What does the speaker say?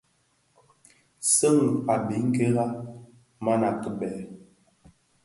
Sèghi a biňkira, mana kitabè.